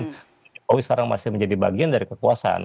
jokowi sekarang masih menjadi bagian dari kekuasaan